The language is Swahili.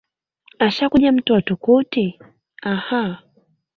Ashakuja mtu wa tuktuk? Ah!